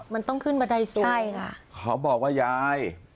มันต้องขึ้นบันไดสูงใช่ค่ะเขาบอกว่ายาย